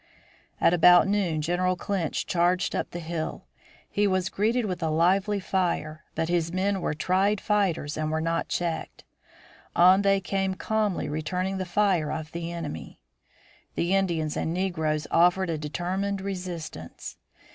At about noon General Clinch charged up the hill. He was greeted with a lively fire, but his men were tried fighters and were not checked. On they came calmly returning the fire of the enemy. The Indians and negroes offered a determined resistance.